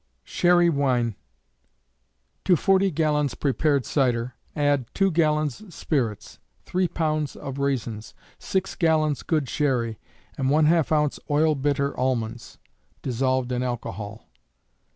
Sherry Wine. To 40 gallons prepared cider, add, 2 gallons spirits; 3 lbs. of raisins; 6 gallons good sherry, and ½ ounce oil bitter almonds, (dissolved in alcohol).